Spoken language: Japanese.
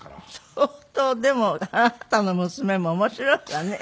相当でもあなたの娘も面白いわね。